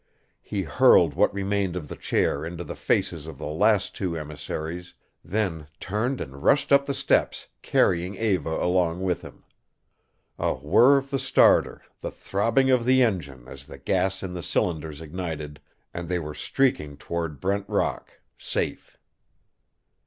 He hurled what remained of the chair into the faces of the last two emissaries, then turned and rushed up the steps, carrying Eva along with him. A whir of the starter, the throbbing of the engine as the gas in the cylinders ignited, and they were streaking toward Brent Rock, safe.